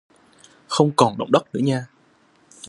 Không còn động đất nữa nha